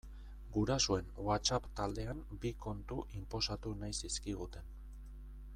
Gurasoen WhatsApp taldean bi kontu inposatu nahi zizkiguten.